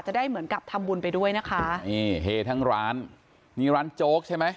ได้เหมือนกับทำบุญไปด้วยนะคะนี่เฮทั้งร้านนี่ร้านโจ๊กใช่ไหม